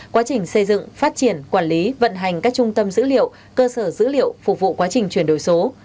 quá trình xây dựng phát triển quản lý vận hành các trung tâm dữ liệu cơ sở dữ liệu phục vụ quá trình chuyển đổi số